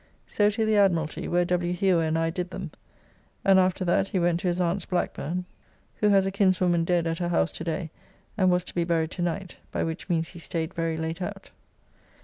So to the Admiralty, where W. Hewer and I did them, and after that he went to his Aunt's Blackburn (who has a kinswoman dead at her house to day, and was to be buried to night, by which means he staid very late out).